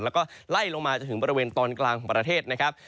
แล้วก็ไล่ลงมาจนถึงบริเวณตอนกลางของประเทศนะครับ